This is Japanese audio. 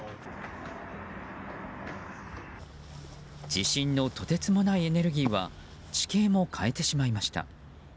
地震のとてつもないエネルギーは地形も変えてしまいました。